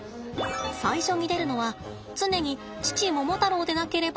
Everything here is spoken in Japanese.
最初に出るのは常に父モモタロウでなければならない。